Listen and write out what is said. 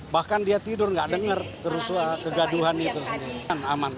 bahkan dia tidur tidak dengar kerusuhan kegaduhan itu sendiri